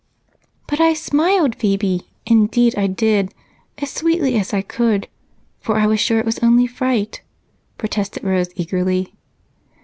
"But I smiled, Phebe indeed I did as sweetly as I could, for I was sure it was only fright," protested Rose eagerly.